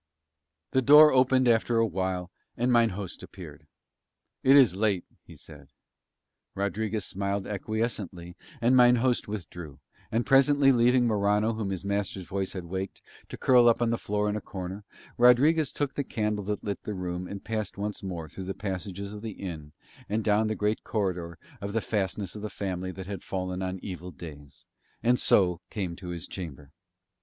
The door opened after a while and mine host appeared. "It is late," he said. Rodriguez smiled acquiescently and mine host withdrew, and presently leaving Morano whom his master's voice had waked, to curl up on the floor in a corner, Rodriguez took the candle that lit the room and passed once more through the passages of the inn and down the great corridor of the fastness of the family that had fallen on evil days, and so came to his chamber.